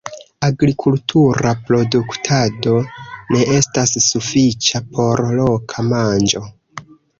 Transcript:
Agrikultura produktado ne estas sufiĉa por loka manĝo.